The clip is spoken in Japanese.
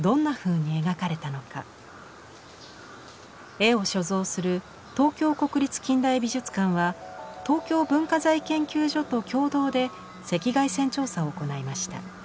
絵を所蔵する東京国立近代美術館は東京文化財研究所と共同で赤外線調査を行いました。